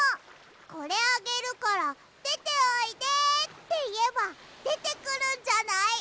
これあげるからでておいでっていえばでてくるんじゃない！？